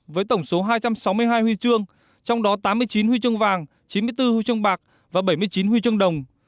với tổng số hai trăm sáu mươi hai huy trương trong đó tám mươi chín huy trương vàng chín mươi bốn huy trương bạc và bảy mươi chín huy trương đồng